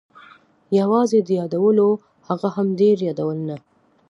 یوازې د یادولو، هغه هم ډېر یادول نه.